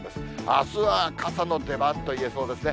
あすは傘の出番といえそうですね。